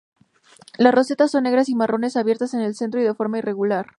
Las rosetas son negras o marrones, abiertas en el centro y de forma irregular.